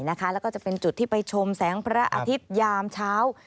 แล้วก็จะเป็นจุดที่ไปชมแสงพระอาทิตยามเช้า